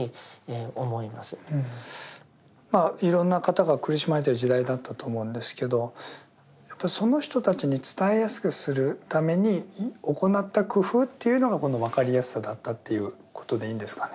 まあいろんな方が苦しまれてる時代だったと思うんですけどやっぱりその人たちに伝えやすくするために行った工夫というのがこの分かりやすさだったということでいいんですかね。